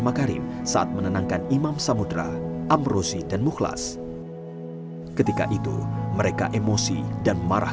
makarim saat menenangkan imam samudera amrosi dan mukhlas ketika itu mereka emosi dan marah